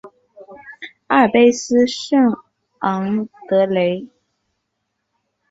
阿尔卑斯圣昂德雷。